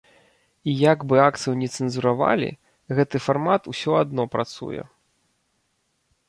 І як бы акцыю ні цэнзуравалі, гэты фармат ўсё адно працуе.